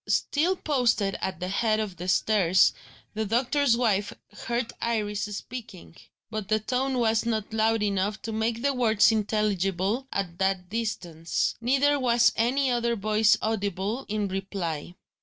Still posted at the head of the stairs, the doctor's wife heard Iris speaking; but the tone was not loud enough to make the words intelligible at that distance; neither was any other voice audible in reply.